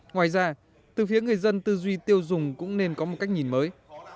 ngoài ra từ phía người dân tư duy tiêu dùng cũng nên có một cách nhìn mới